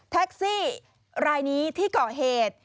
แท็กซี่รายนี้ที่ก่อเหตุ